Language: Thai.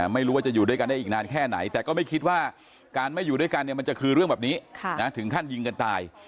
ไม่รู้ว่าจะอยู่ด้วยกันได้อีกนานแค่ไหนแต่ก็ไม่คิดว่าการไม่อยู่ด้วยกันเนี่ยมันจะคือเรื่องแบบนี้ถึงขั้นยิงกันตาย